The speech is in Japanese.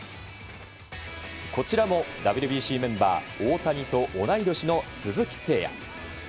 こちらもＷＢＣメンバー大谷と同い年の鈴木誠也。